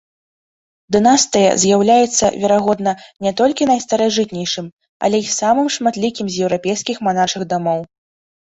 Дынастыя з'яўляецца, верагодна, не толькі найстаражытнейшым, але і самым шматлікім з еўрапейскіх манаршых дамоў.